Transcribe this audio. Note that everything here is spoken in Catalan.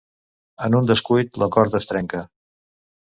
En un descuit, la corda es trenca.